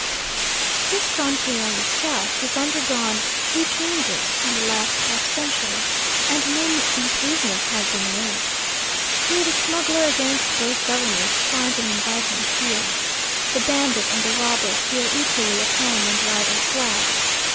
This frontier on the south has undergone few changes in the last half century, and no improvements have been made. Here the smuggler against both governments finds an inviting field. The bandit and the robber feel equally at home under either flag.